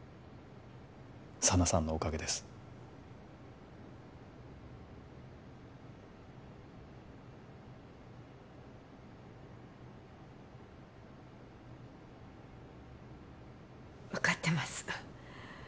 佐奈さんのおかげです分かってます